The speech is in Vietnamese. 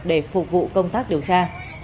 để phục vụ công tác điều tra